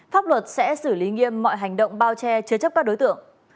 pháp luật sẽ xử lý nghiêm mọi hành động bao che chứa chấp các đối tượng